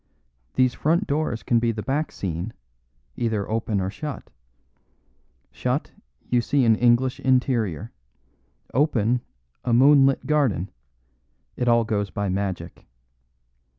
These front doors can be the back scene, either open or shut. Shut, you see an English interior. Open, a moonlit garden. It all goes by magic."